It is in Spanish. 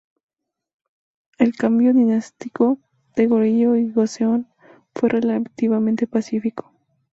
El cambio dinástico de Goryeo a Joseon fue relativamente pacífico.